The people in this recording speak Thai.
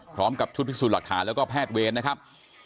พร้อมกับชุดพิสูจน์หลักฐานแล้วก็แพทย์เวรนะครับ